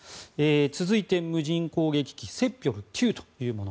続いて、無人攻撃機セッピョル９というもの。